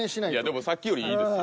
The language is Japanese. でもさっきよりいいですよ